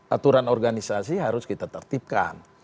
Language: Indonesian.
aturan organisasi harus kita tertipkan